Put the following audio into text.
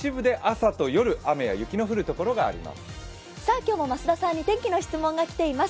今日も増田さんに天気の質問が来ています。